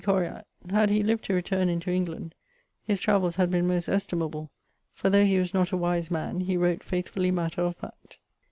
Coryat: had he lived to returne into England, his travells had been most estimable, for though he was not a wise man, he wrote faithfully matter of fact.